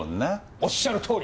おっしゃるとおり！